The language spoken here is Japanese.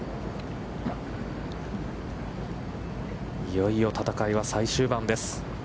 いよいよ戦いは最終盤です。